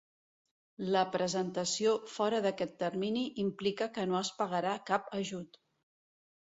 La presentació fora d'aquest termini implica que no es pagarà cap ajut.